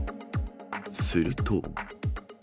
すると。